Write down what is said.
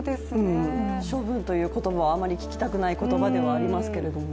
処分という言葉はあまり聞きたくない言葉ですけどね。